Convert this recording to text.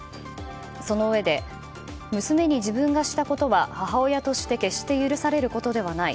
そのうえで娘に自分がしたことは母親として決して許されることではない。